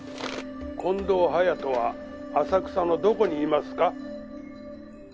「近藤隼人は浅草のどこにいますか？」